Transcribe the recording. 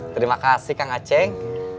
terima kasih kang aceng